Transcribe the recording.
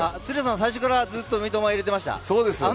最初からずっと三笘入れてましたか。